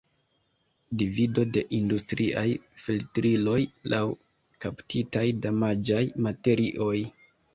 Divido de industriaj filtriloj laŭ kaptitaj damaĝaj materioj.